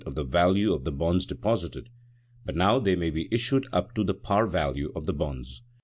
of the value of the bonds deposited; but now they may be issued up to the par value of the bonds.